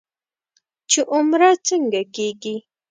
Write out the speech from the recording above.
چې عمره څنګه کېږي.